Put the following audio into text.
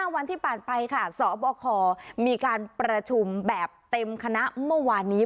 วันที่ผ่านไปค่ะสบคมีการประชุมแบบเต็มคณะเมื่อวานนี้